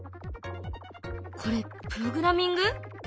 これプログラミング？